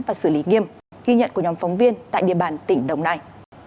và xử lý nghiêm ghi nhận của nhóm phóng viên tại địa bàn tỉnh đồng nai